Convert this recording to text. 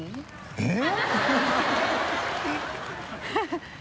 えっ？